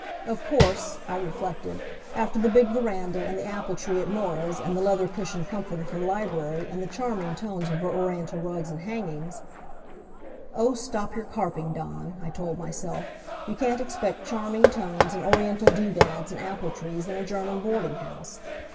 Of course, I reflected, after the big veranda, and the apple tree at Norah's, and the leather cushioned comfort of her library, and the charming tones of her Oriental rugs and hangings "Oh, stop your carping, Dawn!" I told myself. "You can't expect charming tones, and Oriental do dads and apple trees in a German boarding house.